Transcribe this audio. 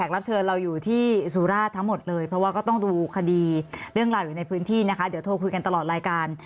แล้วก็ต้องดูคดีเรื่องราวอยู่ในพื้นที่นะคะเดี๋ยวโทรคุยกันตลอดรายการ